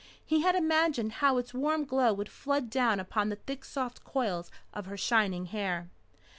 He had imagined how its warm glow would flood down upon the thick soft coils of her shining hair.